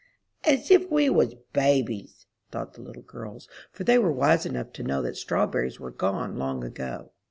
"As if we was babies," thought the little girls, for they were wise enough to know that strawberries were gone long ago.